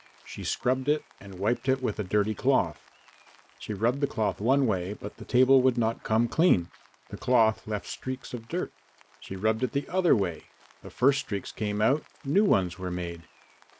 She scrubbed it and wiped it with a dirty cloth. She rubbed the cloth one way, but the table would not come clean. The cloth left streaks of dirt. She rubbed it the other way the first streaks came out, new ones were made.